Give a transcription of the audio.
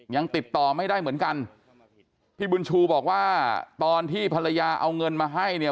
ยังติดต่อไม่ได้เหมือนกันพี่บุญชูบอกว่าตอนที่ภรรยาเอาเงินมาให้เนี่ย